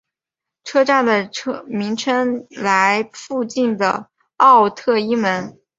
车站的名称来附近的奥特伊门。